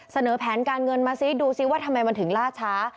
เสนอแผนการเงินมาซิดูซิว่าทำไมมันถึงล่าช้า